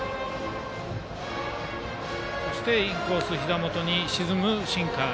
そしてインコースひざ元に沈むシンカー。